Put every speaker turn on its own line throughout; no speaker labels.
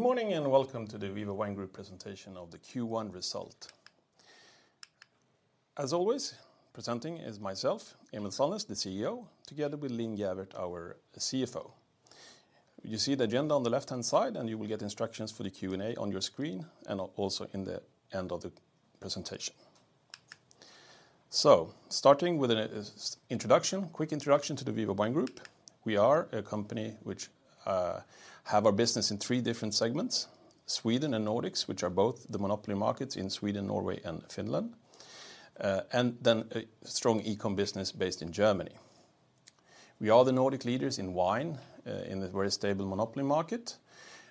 Good morning. Welcome to the Viva Wine Group presentation of the Q1 result. As always, presenting is myself, Emil Sällnäs, the CEO, together with Linn Gäfvert, our CFO. You see the agenda on the left-hand side. You will get instructions for the Q&A on your screen and also in the end of the presentation. Starting with an introduction, quick introduction to the Viva Wine Group. We are a company which have our business in three different segments, Sweden and Nordics, which are both the monopoly markets in Sweden, Norway, and Finland. Then a strong e-com business based in Germany. We are the Nordic leaders in wine in a very stable monopoly market.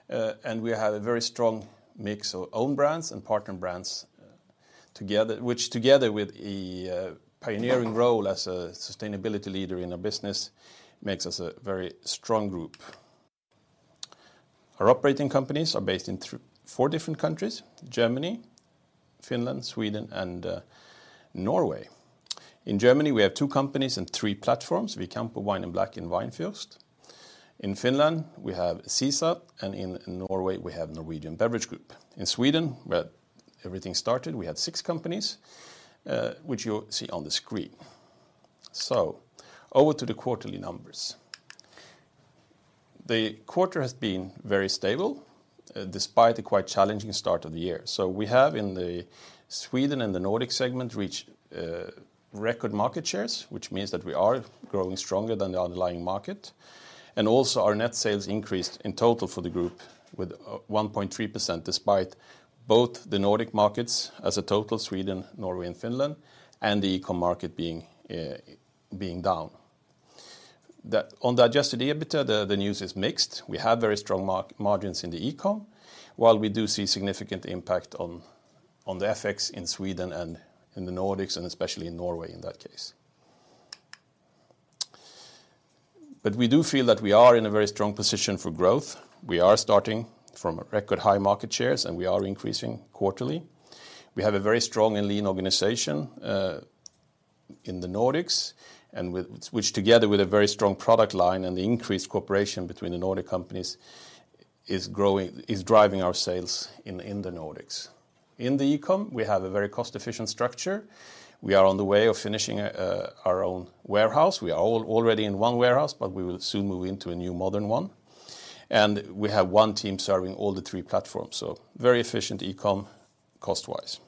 We have a very strong mix of own brands and partner brands together. Which together with a pioneering role as a sustainability leader in our business makes us a very strong group. Our operating companies are based in four different countries, Germany, Finland, Sweden, and Norway. In Germany, we have two companies and three platforms, Vicampo, Wine in Black, and Weinfürst. In Finland, we have Cisa, and in Norway, we have Norwegian Beverage Group. In Sweden, where everything started, we have six companies, which you see on the screen. Over to the quarterly numbers. The quarter has been very stable, despite the quite challenging start of the year. We have in the Sweden and the Nordic Segment, which record market shares, which means that we are growing stronger than the underlying market. Also our net sales increased in total for the group with 1.3%, despite both the Nordic markets as a total, Sweden, Norway, and Finland, and the e-com market being down. On the Adjusted EBITDA, the news is mixed. We have very strong margins in the e-com, while we do see significant impact on the FX in Sweden and in the Nordics, and especially in Norway in that case. We do feel that we are in a very strong position for growth. We are starting from record high market shares, and we are increasing quarterly. We have a very strong and lean organization in the Nordics, which together with a very strong product line and the increased cooperation between the Nordic companies is driving our sales in the Nordics. In the e-com, we have a very cost-efficient structure. We are on the way of finishing our own warehouse. We are already in one warehouse, but we will soon move into a new modern one. We have one team serving all the three platforms. Very efficient e-com cost-wise.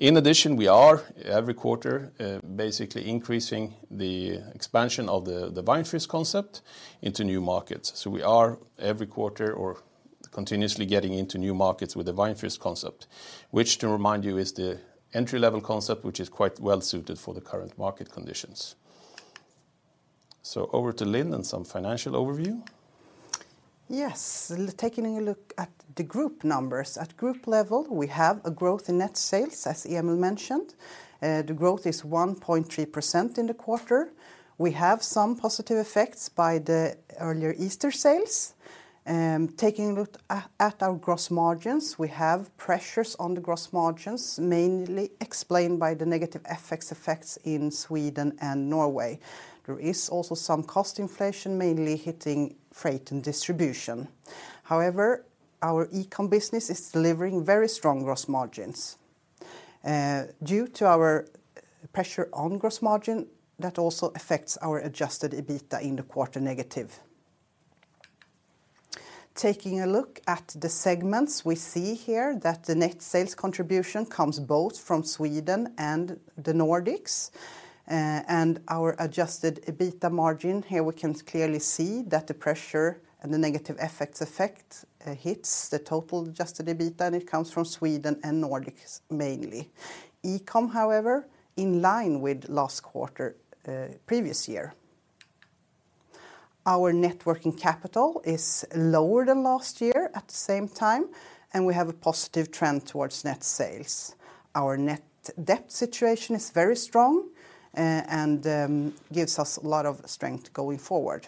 In addition, we are every quarter basically increasing the expansion of the Weinfürst concept into new markets. We are every quarter or continuously getting into new markets with the Weinfürst concept, which to remind you is the entry-level concept, which is quite well suited for the current market conditions. Over to Linn and some financial overview.
Yes. Taking a look at the group numbers. At group level, we have a growth in net sales, as Emil mentioned. The growth is 1.3% in the quarter. We have some positive effects by the earlier Easter sales. Taking a look at our gross margins, we have pressures on the gross margins, mainly explained by the negative FX effects in Sweden and Norway. There is also some cost inflation mainly hitting freight and distribution. Our e-com business is delivering very strong gross margins. Due to our pressure on gross margin, that also affects our Adjusted EBITDA in the quarter negative. Taking a look at the segments, we see here that the net sales contribution comes both from Sweden and the Nordics, and our Adjusted EBITDA margin, here we can clearly see that the pressure and the negative FX effect hits the total Adjusted EBITDA, and it comes from Sweden and Nordics mainly. e-com, however, in line with last quarter, previous year. Our net working capital is lower than last year at the same time, and we have a positive trend towards net sales. Our net debt situation is very strong, and gives us a lot of strength going forward.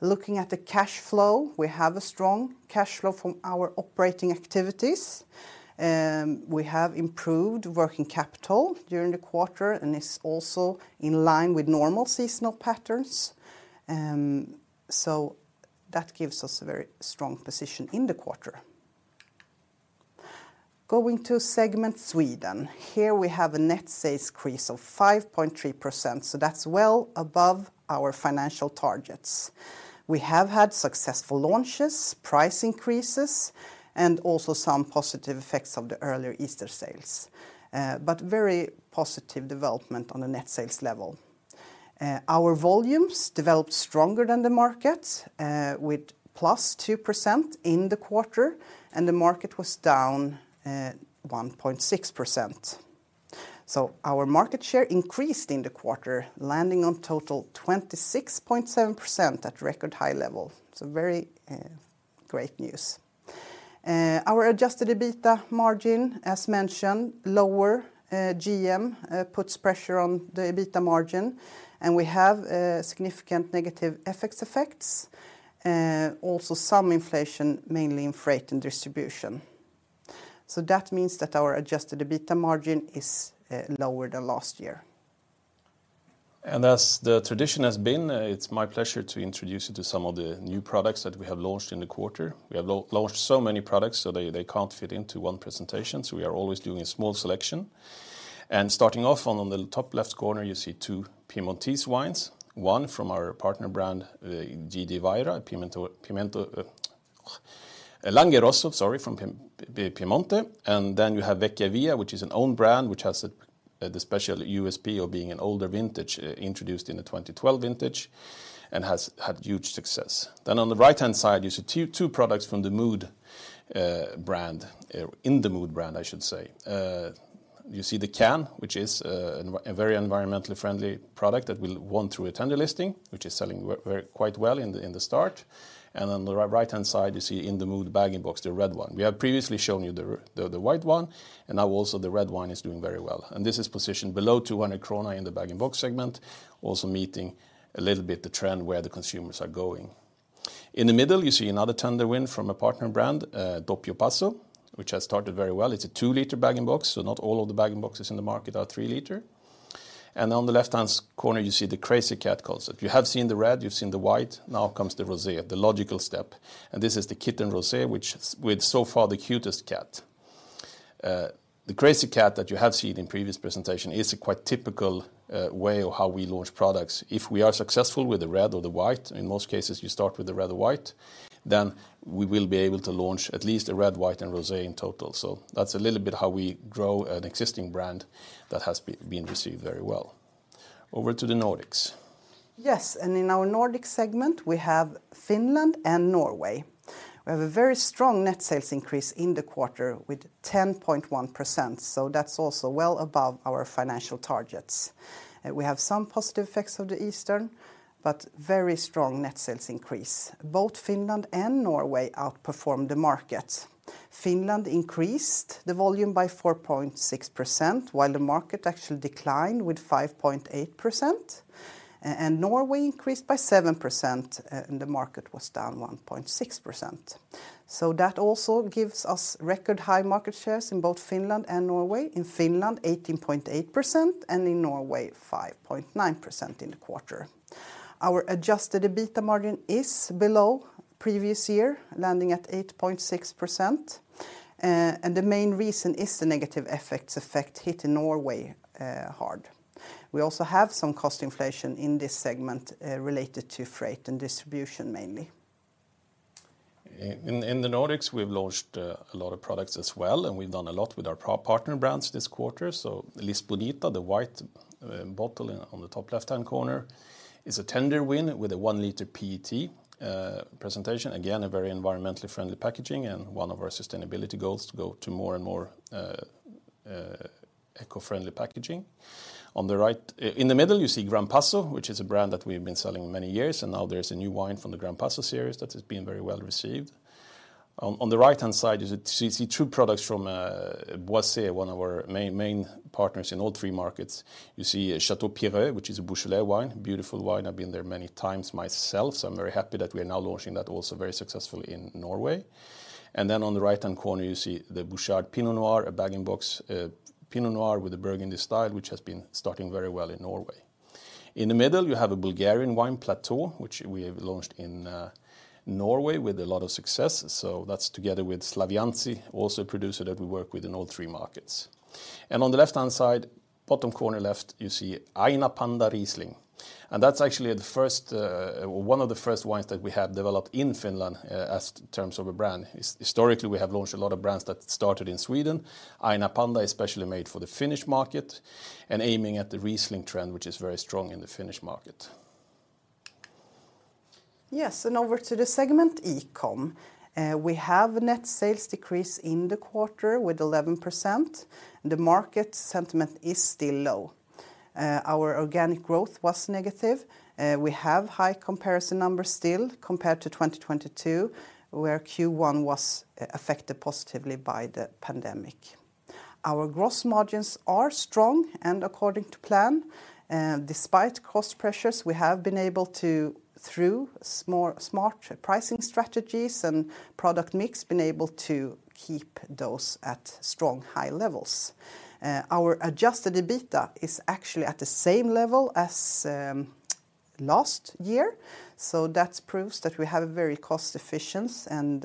Looking at the cash flow, we have a strong cash flow from our operating activities. We have improved working capital during the quarter and is also in line with normal seasonal patterns. That gives us a very strong position in the quarter. Going to segment Sweden. Here we have a net sales increase of 5.3%. That's well above our financial targets. We have had successful launches, price increases, and also some positive effects of the earlier Easter sales, very positive development on the net sales level. Our volumes developed stronger than the market, with +2% in the quarter. The market was down 1.6%. Our market share increased in the quarter, landing on total 26.7% at record high level. Very great news. Our Adjusted EBITDA margin, as mentioned, lower GM puts pressure on the EBITDA margin. We have significant negative FX effects, also some inflation, mainly in freight and distribution. That means that our Adjusted EBITDA margin is lower than last year.
As the tra dition has been, it's my pleasure to introduce you to some of the new products that we have launched in the quarter. We have launched so many products, they can't fit into one presentation, we are always doing a small selection. Starting off on the top left corner, you see two Piemonte wines, one from our partner brand, the G.D. Vajra, Langhe Rosso, sorry, from Piemonte. Then you have Vecchia Villa, which is an own brand, which has the special USP of being an older vintage, introduced in the 2012 vintage, and has had huge success. On the right-hand side, you see two products from the Mood brand, In the Mood brand, I should say. You see the can, which is a very environmentally friendly product that we won through a tender listing, which is selling quite well in the start. On the right-hand side, you see In the Mood bag-in-box, the red one. We have previously shown you the white one, and now also the red wine is doing very well. This is positioned below 200 krona in the bag-in-box segment, also meeting a little bit the trend where the consumers are going. In the middle, you see another tender win from a partner brand, Doppio Passo, which has started very well. It's a 2 L bag-in-box, so not all of the bag-in-boxes in the market are 3 L. On the left-hand corner, you see the Crazy Cat concept. You have seen the red, you've seen the white, now comes the rosé, the logical step. This is the Kitten Rosé, which is with, so far, the cutest cat. The Crazy Cat that you have seen in previous presentation is a quite typical way of how we launch products. If we are successful with the red or the white, in most cases you start with the red or white, then we will be able to launch at least a red, white, and rosé in total. That's a little bit how we grow an existing brand that has been received very well. Over to the Nordics.
Yes. In our Nordic segment, we have Finland and Norway. We have a very strong net sales increase in the quarter with 10.1%, so that's also well above our financial targets. We have some positive effects of the Eastern, but very strong net sales increase. Both Finland and Norway outperformed the market. Finland increased the volume by 4.6%, while the market actually declined with 5.8%. And Norway increased by 7%, and the market was down 1.6%. That also gives us record high market shares in both Finland and Norway. In Finland, 18.8%, and in Norway, 5.9% in the quarter. Our Adjusted EBITDA margin is below previous year, landing at 8.6%. The main reason is the negative effects hit Norway hard. We also have some cost inflation in this segment, related to freight and distribution mainly.
In the Nordics, we've launched a lot of products as well, and we've done a lot with our partner brands this quarter. Lisbonita, the white bottle on the top left-hand corner, is a tender win with a 1 L PET presentation. Again, a very environmentally friendly packaging and one of our sustainability goals to go to more and more eco-friendly packaging. In the middle, you see Gran Passo, which is a brand that we've been selling many years, and now there's a new wine from the Gran Passo series that has been very well received. On the right-hand side, you see two products from Boisset, one of our main partners in all three markets. You see Château de Pizay, which is a Beaujolais wine. Beautiful wine. I've been there many times myself, so I'm very happy that we are now launching that also very successfully in Norway. On the right-hand corner, you see the Bouchard Pinot Noir, a bag-in-box Pinot Noir with a Burgundy style, which has been starting very well in Norway. In the middle, you have a Bulgarian wine, Plateau, which we have launched in Norway with a lot of success. That's together with Slaviyanci, also a producer that we work with in all three markets. On the left-hand side, bottom corner left, you see Aina Panda Riesling. That's actually the first, one of the first wines that we have developed in Finland as terms of a brand. Historically, we have launched a lot of brands that started in Sweden. Aina Panda is specially made for the Finnish market and aiming at the Riesling trend, which is very strong in the Finnish market.
Yes. Over to the segment e-com. We have net sales decrease in the quarter with 11%. The market sentiment is still low. Our organic growth was negative. We have high comparison numbers still compared to 2022, where Q1 was affected positively by the pandemic. Our gross margins are strong and according to plan. Despite cost pressures, we have been able to, through smart pricing strategies and product mix, keep those at strong high levels. Our Adjusted EBITDA is actually at the same level as last year. That proves that we have a very cost efficient and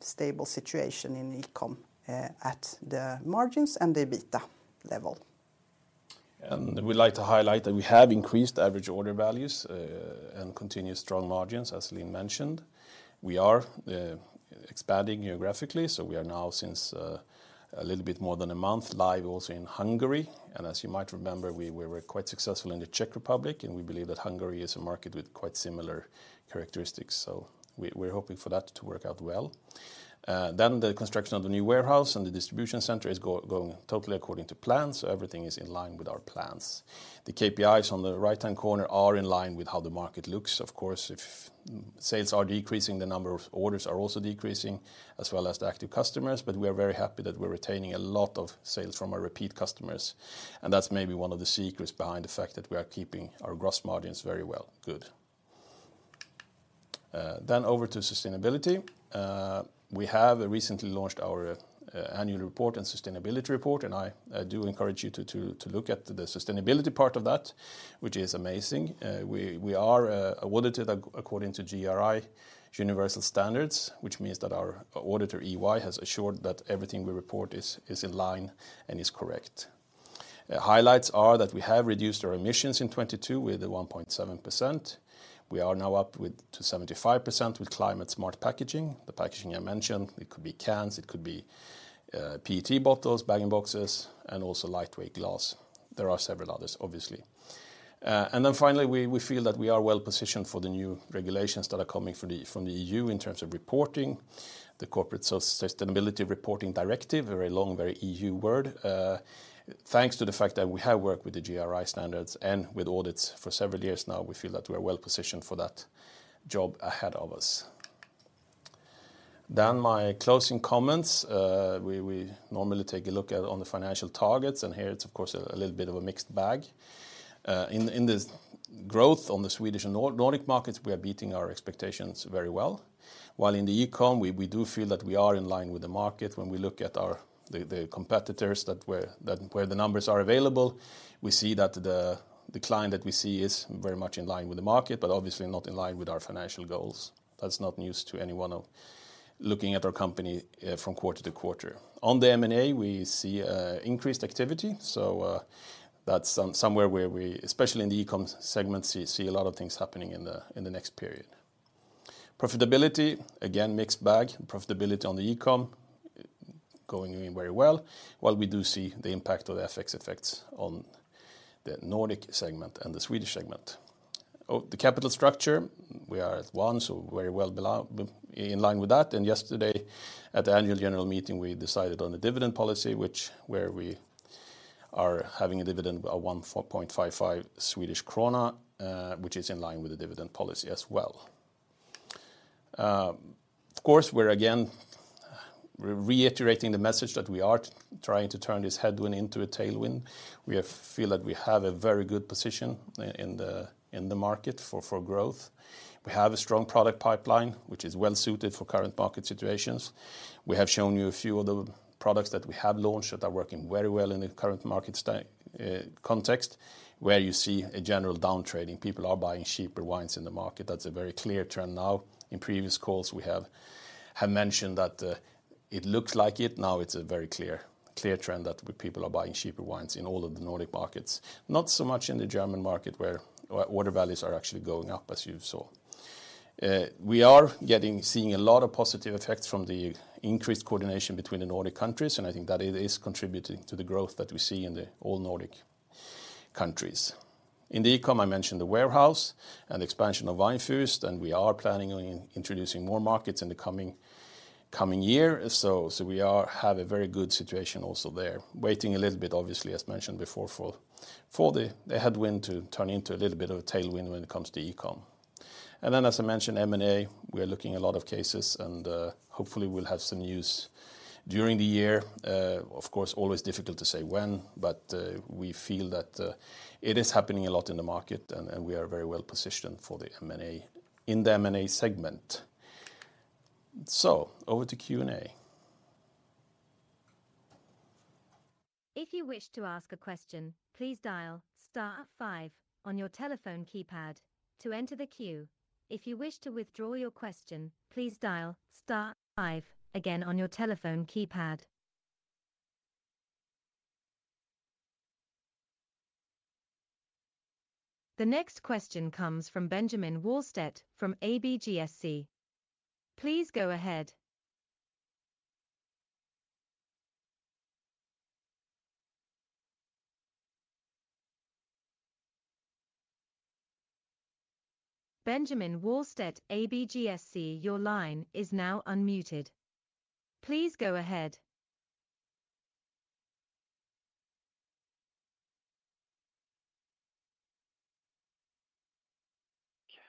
stable situation in e-com, at the margins and EBITDA level.
We like to highlight that we have increased average order values, and continued strong margins, as Linn mentioned. We are expanding geographically, so we are now, since a little bit more than a month, live also in Hungary. As you might remember, we were quite successful in the Czech Republic, and we believe that Hungary is a market with quite similar characteristics, so we're hoping for that to work out well. The construction of the new warehouse and the distribution center is going totally according to plan, so everything is in line with our plans. The KPIs on the right-hand corner are in line with how the market looks. Of course, if sales are decreasing, the number of orders are also decreasing, as well as the active customers. We are very happy that we're retaining a lot of sales from our repeat customers. That's maybe one of the secrets behind the fact that we are keeping our gross margins very well. Good. Over to sustainability. We have recently launched our annual report and sustainability report, I do encourage you to look at the sustainability part of that, which is amazing. We are audited according to GRI universal standards, which means that our auditor, EY, has assured that everything we report is in line and is correct. The highlights are that we have reduced our emissions in 2022 with 1.7%. We are now up to 75% with climate smart packaging. The packaging I mentioned, it could be cans, it could be PET bottles, bag-in-boxes, and also lightweight glass. There are several others, obviously. Finally, we feel that we are well-positioned for the new regulations that are coming from the EU in terms of reporting. The Corporate Sustainability Reporting Directive, very long, very EU word. Thanks to the fact that we have worked with the GRI standards and with audits for several years now, we feel that we are well-positioned for that job ahead of us. My closing comments. We normally take a look at on the financial targets, and here it's of course a little bit of a mixed bag. In this growth on the Swedish and Nordic markets, we are beating our expectations very well, while in the e-com, we do feel that we are in line with the market. When we look at our... The competitors that where the numbers are available, we see that the decline that we see is very much in line with the market, obviously not in line with our financial goals. That's not news to anyone of looking at our company from quarter to quarter. On the M&A, we see increased activity, that's somewhere where we, especially in the e-com segment, see a lot of things happening in the next period. Profitability, again, mixed bag. Profitability on the e-com going very well, while we do see the impact of the FX effects on the Nordic segment and the Swedish segment. The capital structure, we are at one, very well in line with that. Yesterday at the annual general meeting, we decided on the dividend policy, which where we are having a dividend of 14.55 Swedish krona, which is in line with the dividend policy as well. Of course, we're again, we're reiterating the message that we are trying to turn this headwind into a tailwind. We feel that we have a very good position in the, in the market for growth. We have a strong product pipeline which is well suited for current market situations. We have shown you a few of the products that we have launched that are working very well in the current market context, where you see a general downtrading. People are buying cheaper wines in the market. That's a very clear trend now. In previous calls, we have mentioned that, it looks like it. It's a very clear trend that people are buying cheaper wines in all of the Nordic markets. Not so much in the German market, where order values are actually going up, as you saw. We are seeing a lot of positive effects from the increased coordination between the Nordic countries. I think that it is contributing to the growth that we see in the all Nordic countries. In the e-com, I mentioned the warehouse and expansion of Weinfürst. We are planning on introducing more markets in the coming year. We have a very good situation also there. Waiting a little bit, obviously, as mentioned before, for the headwind to turn into a little bit of a tailwind when it comes to e-com. As I mentioned, M&A, we are looking a lot of cases and, hopefully we'll have some news during the year. Of course, always difficult to say when, but we feel that it is happening a lot in the market and we are very well positioned for the in the M&A segment. Over to Q&A.
If you wish to ask a question, please dial star five on your telephone keypad to enter the queue. If you wish to withdraw your question, please dial star five again on your telephone keypad. The next question comes from Benjamin Wahlstedt from ABGSC. Please go ahead. Benjamin Wahlstedt, ABGSC, your line is now unmuted. Please go ahead.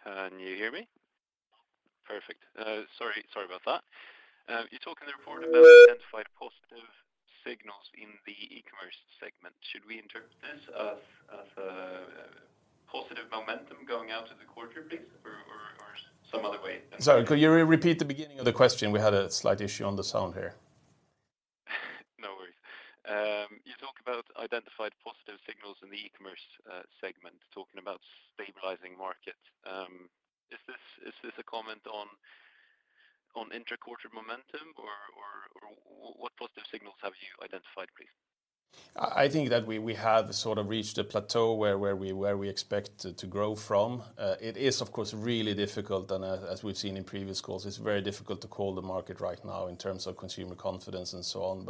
Can you hear me? Perfect. Sorry about that. You talk in the report about identified positive signals in the e-commerce segment. Should we interpret this as positive momentum going out to the quarter break or some other way?
Sorry, could you repeat the beginning of the question? We had a slight issue on the sound here.
No worries. You talk about identified positive signals in the e-commerce segment, talking about stabilizing markets. Is this a comment on inter-quarter momentum or what positive signals have you identified, please?
I think that we have sort of reached a plateau where we expect to grow from. It is of course, really difficult and as we've seen in previous calls, it's very difficult to call the market right now in terms of consumer confidence and so on.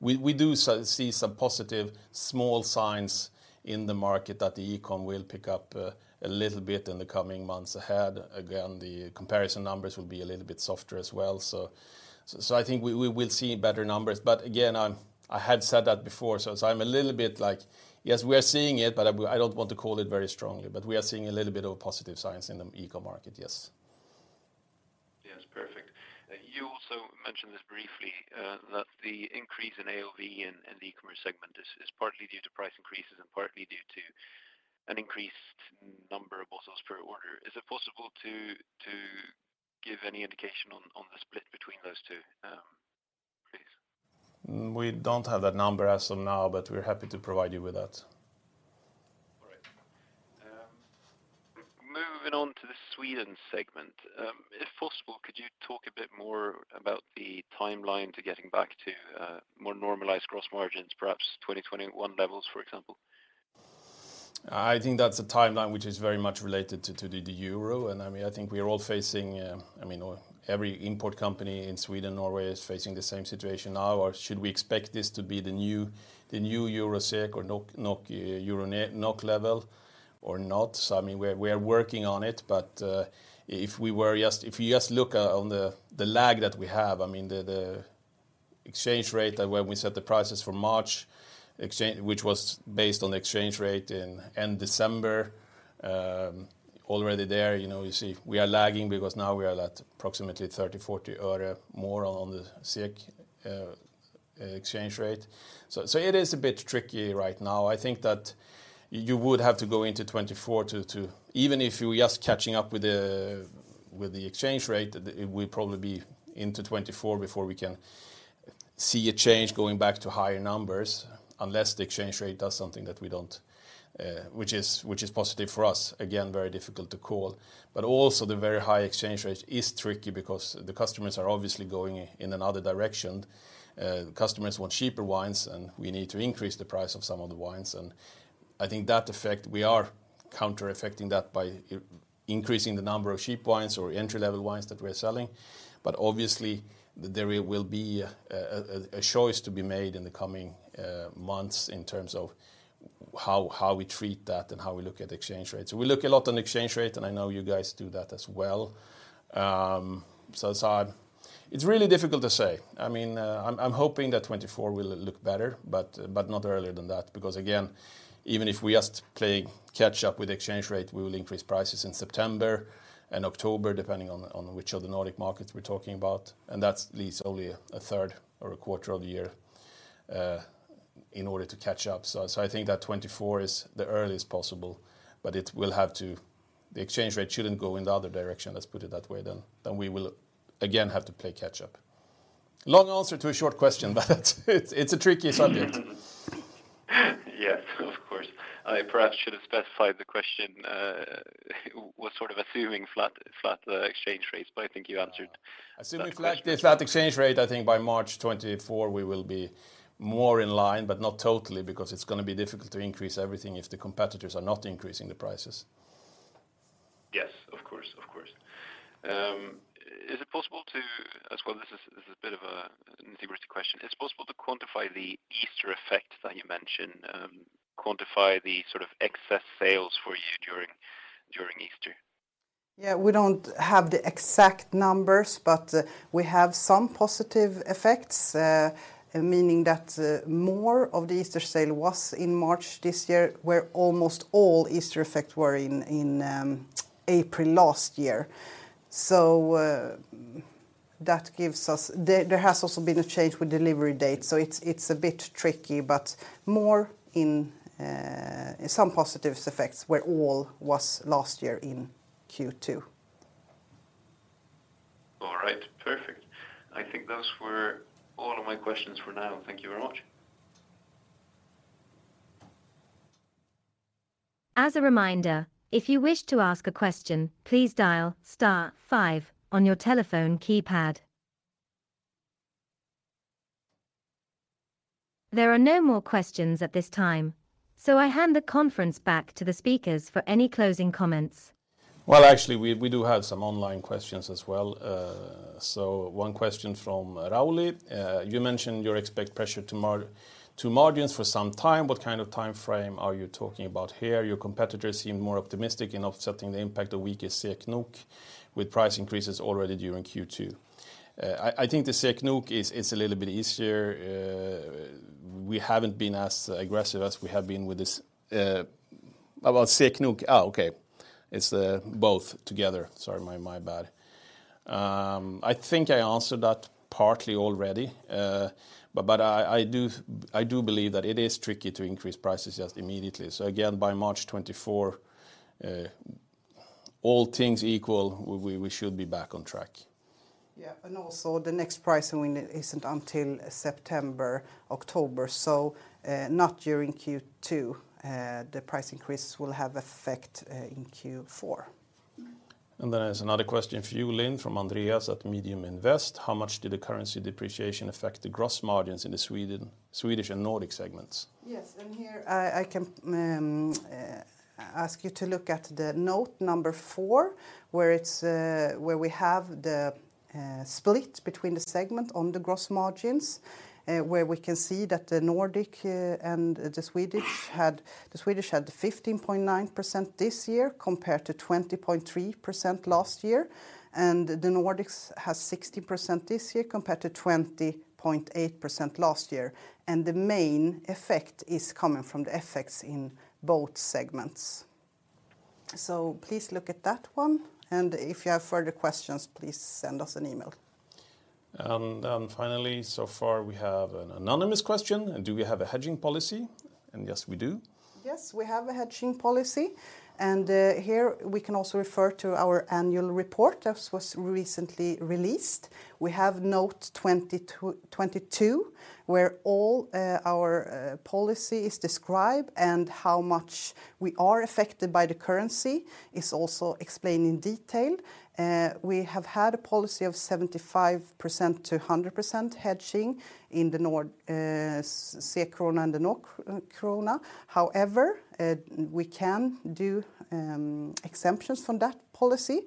We do see some positive small signs in the market that the e-com will pick up a little bit in the coming months ahead. Again, the comparison numbers will be a little bit softer as well. I think we will see better numbers. Again, I had said that before, so I'm a little bit like, yes, we are seeing it, but I don't want to call it very strongly. We are seeing a little bit of positive signs in the e-com market, yes.
Yes, perfect. You also mentioned this briefly, that the increase in AOV in the e-commerce segment is partly due to price increases and partly due to an increased number of bottles per order. Is it possible to give any indication on the split between those two, please?
We don't have that number as of now. We're happy to provide you with that.
All right. Moving on to the Sweden segment. If possible, could you talk a bit more about the timeline to getting back to more normalized gross margins, perhaps 2021 levels, for example?
I think that's a timeline which is very much related to the euro. I mean, I think we are all facing every import company in Sweden, Norway is facing the same situation now, or should we expect this to be the new euro SEK or NOK, euro NOK level or not? I mean, we're working on it, but if you just look on the lag that we have, I mean, the exchange rate that when we set the prices for March, which was based on exchange rate in end December. Already there, you know, you see we are lagging because now we are at approximately 30, 40 ore more on the SEK exchange rate. So it is a bit tricky right now. I think that you would have to go into 2024 to, even if you're just catching up with the, with the exchange rate, it will probably be into 2024 before we can see a change going back to higher numbers. Unless the exchange rate does something that we don't, which is positive for us. Again, very difficult to call. Also the very high exchange rate is tricky because the customers are obviously going in another direction. The customers want cheaper wines. We need to increase the price of some of the wines. I think that effect, we are counter-affecting that by increasing the number of cheap wines or entry-level wines that we're selling. Obviously, there will be a choice to be made in the coming months in terms of how we treat that and how we look at exchange rates. We look a lot on exchange rate, and I know you guys do that as well. It's really difficult to say. I mean, I'm hoping that 2024 will look better, but not earlier than that. Again, even if we just playing catch up with exchange rate, we will increase prices in September and October, depending on which of the Nordic markets we're talking about, and that's at least only a third or a quarter of the year in order to catch up. I think that 2024 is the earliest possible, but it will have to. The exchange rate shouldn't go in the other direction, let's put it that way then. We will again have to play catch up. Long answer to a short question. It's, it's a tricky subject.
Yes, of course. I perhaps should have specified the question. Was sort of assuming flat exchange rates. I think you answered that question.
Assuming flat, the flat exchange rate, I think by March 2024 we will be more in line, but not totally, because it's gonna be difficult to increase everything if the competitors are not increasing the prices.
Yes. Of course, of course. As well, this is a bit of a, an integrity question. Is it possible to quantify the Easter effect that you mentioned? Quantify the sort of excess sales for you during Easter?
We don't have the exact numbers, but we have some positive effects. Meaning that, more of the Easter sale was in March this year, where almost all Easter effect were in April last year. That gives us. There has also been a change with delivery date, so it's a bit tricky, but more in some positive effects where all was last year in Q2.
All right. Perfect. I think those were all of my questions for now. Thank you very much.
As a reminder, if you wish to ask a question, please dial star five on your telephone keypad. There are no more questions at this time. I hand the conference back to the speakers for any closing comments.
Well, actually, we do have some online questions as well. One question from Rauli Juva. You mentioned you expect pressure to margins for some time. What kind of timeframe are you talking about here? Your competitors seem more optimistic in offsetting the impact of weaker SEK NOK with price increases already during Q2. I think the SEK NOK is a little bit easier. We haven't been as aggressive as we have been with this. About SEK NOK. Okay. It's both together. Sorry, my bad. I think I answered that partly already. I do believe that it is tricky to increase prices just immediately. Again, by March 2024, all things equal, we should be back on track.
Yeah. Also the next price win isn't until September, October. Not during Q2. The price increase will have effect in Q4.
There's another question for you, Linn, from Andreas at[MeddevInvest]. How much did the currency depreciation affect the gross margins in the Swedish and Nordic segments?
Here I can ask you to look at the note number four, where it's where we have the split between the segment on the gross margins, where we can see that the Nordic and the Swedish had 15.9% this year compared to 20.3% last year. The Nordics has 16% this year compared to 20.8% last year. The main effect is coming from the effects in both segments. Please look at that one, and if you have further questions, please send us an email.
Finally, so far, we have an anonymous question. Do we have a hedging policy? Yes, we do.
Yes, we have a hedging policy. Here we can also refer to our annual report that was recently released. We have note 22, where all our policy is described and how much we are affected by the currency is also explained in detail. We have had a policy of 75% to 100% hedging in the Nord, SEK and the NOK. However, we can do exemptions from that policy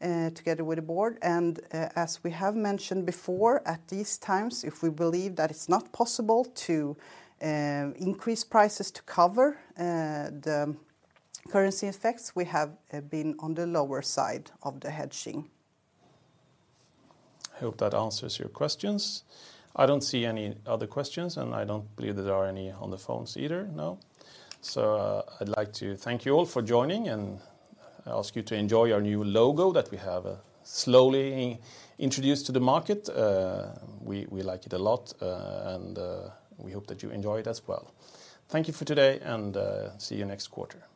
together with the board. As we have mentioned before, at these times, if we believe that it's not possible to increase prices to cover the currency effects, we have been on the lower side of the hedging.
I hope that answers your questions. I don't see any other questions, and I don't believe there are any on the phones either. No. I'd like to thank you all for joining and ask you to enjoy our new logo that we have slowly introduced to the market. We like it a lot, and we hope that you enjoy it as well. Thank you for today and see you next quarter.
Thank you.